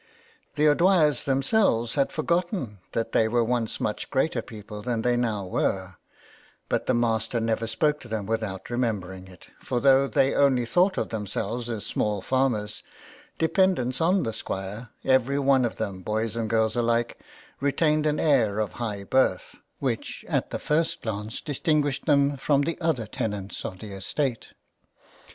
The O'Dwyers themselves had forgotten that they were once much greater people than they now were, but the master never spoke to them without remembering it, for though they only thought of themselves as small farmers, dependents on the squire, everyone of them, boys and girls alike, retained an air of higu birth, which at the first glance distinguished them from the other tenants of the estate.